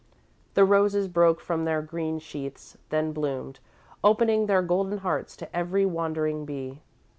The roses broke from their green sheaths, then bloomed, opening their golden hearts to every wandering bee.